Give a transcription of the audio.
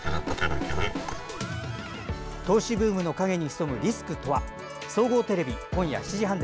投資ブームの陰に潜むリスクとは。